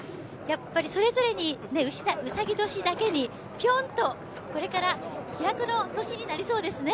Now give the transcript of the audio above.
それぞれに、うさぎ年だけに、ピョンとこれから飛躍の年になりそうですね。